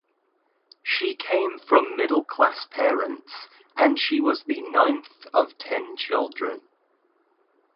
She came from middle class parents and she was the ninth of ten children.